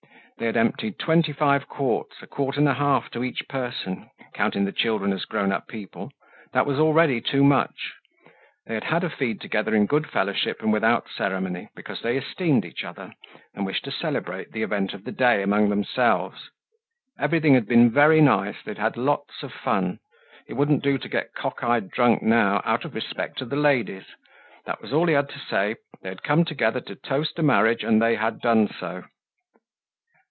They had emptied twenty five quarts, a quart and a half to each person, counting the children as grown up people; that was already too much. They had had a feed together in good fellowship, and without ceremony, because they esteemed each other, and wished to celebrate the event of the day amongst themselves. Everything had been very nice; they had had lots of fun. It wouldn't do to get cockeyed drunk now, out of respect to the ladies. That was all he had to say, they had come together to toast a marriage and they had done so.